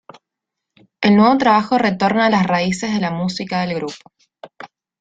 El nuevo trabajo retorna a las raíces de la música del grupo.